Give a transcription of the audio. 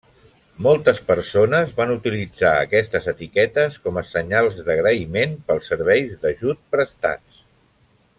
Moltes persones van utilitzar aquestes etiquetes com a senyals d'agraïment pels serveis d'ajut prestats.